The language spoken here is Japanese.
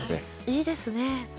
いいですね。